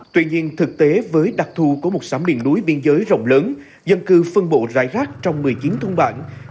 tuy nhiên thực tế với đặc thù của một xám biển núi biên giới rộng lớn dân cư phân bộ rải rác trong một mươi chín thông bản